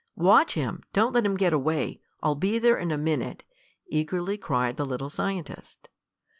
"Watch him! Don't let him get away! I'll be there in a minute!" eagerly cried the little scientist.